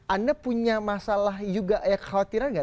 anda punya masalah juga ya kekhawatiran nggak